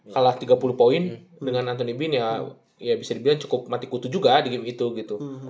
kalah tiga puluh poin dengan antoni bin ya bisa dibilang cukup mati kutu juga di game itu gitu